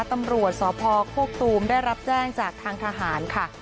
ตำรวจสพโคกตูมได้รับแจ้งจากทางทหารค่ะ